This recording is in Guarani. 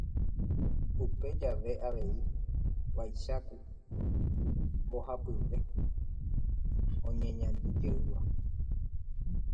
Upe jave avei vaicháku mbohapyve oñeñandujeýva.